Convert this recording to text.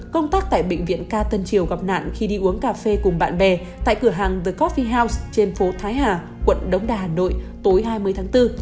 công tác tại bệnh viện ca tân triều gặp nạn khi đi uống cà phê cùng bạn bè tại cửa hàng vecophie house trên phố thái hà quận đống đa hà nội tối hai mươi tháng bốn